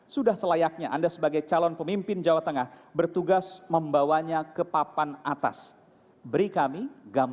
sudah selayaknya anda sebagai calon pemimpin jawa tengah bertugas membawanya ke papan atas